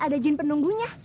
ada jin penunggunya